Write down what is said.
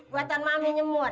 buatan mami nyemur